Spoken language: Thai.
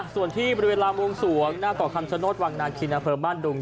ส่วนที่บริเวณรามวงสวงหน้าก่อคัมชะโนธวังนาคิณเผิมบ้านดุง